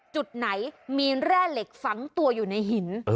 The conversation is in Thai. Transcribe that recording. จุดไหนมีแร่เหล็กฝังตัวอยู่ในหิน